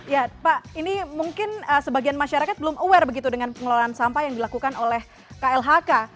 ya pak ini mungkin sebagian masyarakat belum aware begitu dengan pengelolaan sampah yang dilakukan oleh klhk